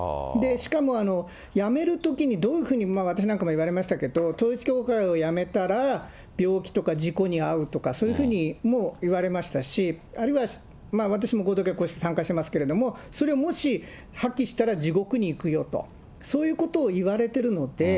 しかもやめるときにどういうふうに、私なんかも言われましたけれども、統一教会をやめたら、病気とか事故にあうとかそういうふうにも言われましたし、あるいは、私も合同結婚式、参加してますけれども、それをもし破棄したら地獄に行くよと、そういうことを言われてるので。